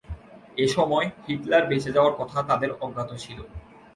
এসময় হিটলার বেঁচে যাওয়ার কথা তাদের অজ্ঞাত ছিল।